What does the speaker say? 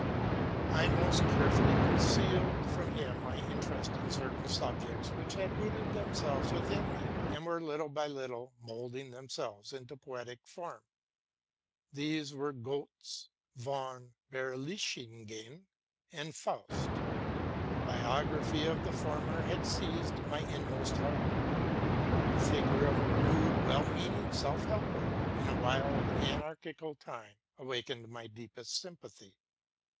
I most carefully concealed from him my interest in certain RELATING TO MY LIFE. 93 subjects which had rooted themselves within me, and were. by little and little, moulding themselves into poetic form These were ' Gétz von Berlichingen'' and '' Faust.'? The biography of the former had seized my inmost heart. The figure of a rough, well meaning self helper, in a wild anar chical time, awakened my deepest sympathy.